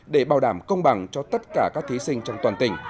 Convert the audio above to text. để bảo đảm công bằng cho tất cả các thí sinh trong toàn tỉnh